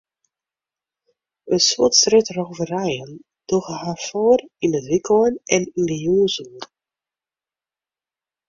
In soad strjitrôverijen dogge har foar yn it wykein en yn de jûnsoeren.